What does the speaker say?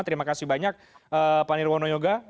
terima kasih banyak pak nirwono yoga